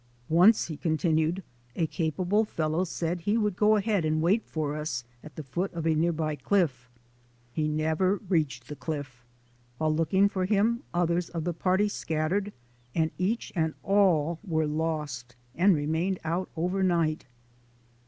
"Once," he continued, "a capable fellow said he would go ahead and wait for us at the foot of a near by cliff. He never reached the cliff. While looking for him others of the party scattered and each and all were lost, and remained out over night."